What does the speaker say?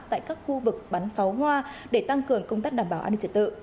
tại các khu vực bắn pháo hoa để tăng cường công tác đảm bảo an ninh trật tự